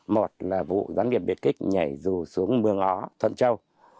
một là vụ gián điệp biệt kích nhảy dù xuống mương ỏ thuận châu